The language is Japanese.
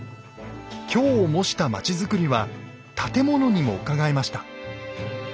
京を模した町づくりは建物にもうかがえました。